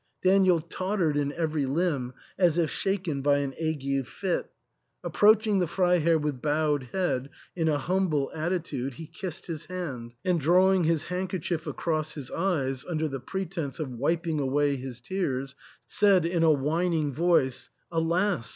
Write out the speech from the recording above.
Daniel tottered in every limb, as if shaken by an ague fit ; approaching the Freiherr with bowed head in a humble attitude, he kissed his hand, and drawing his handkerchief across his eyes under the pre tence of wiping away his tears, said in a whining voice, ^' Alas